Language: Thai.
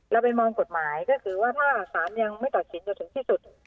เราไปมองกฎหมายก็คือว่าถ้าสารยังไม่ตัดสินจนถึงที่สุด